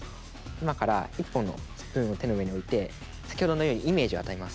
今から１本のスプーンを手の上に置いて先ほどのようにイメージを与えます。